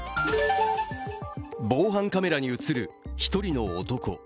防犯カメラに映る１人の男。